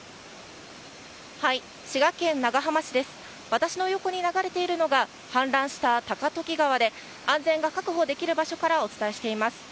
私の横に流れているのが氾濫した高時川で安全が確保できる場所からお伝えしています。